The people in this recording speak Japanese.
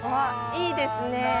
いいですね！